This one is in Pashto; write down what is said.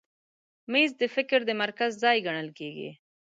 مېز د فکر د مرکز ځای ګڼل کېږي.